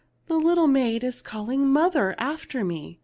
The little maid is calling 'mother' after me.